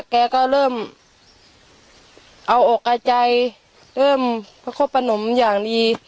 แกก็เริ่มเอาอกเอาใจเริ่มประคบประนมอย่างดี